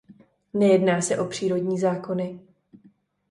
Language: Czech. Nejedná se o přírodní zákony.